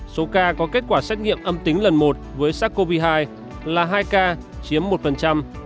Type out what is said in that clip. số ca có kết quả xét nghiệm âm tính lần một với sars cov hai là hai ca chiếm một